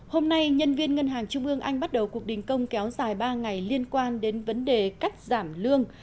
hôm nay nhân viên ngân hàng trung ương anh bắt đầu cuộc đình công kéo dài ba ngày liên quan đến vấn đề cắt giảm lương